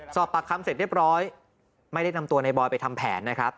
สอบปากคำเสร็จเรียบร้อยไม่ได้นำตัวในบอยไปทำแผนนะครับ